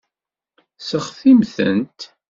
Seɣtimt-tent.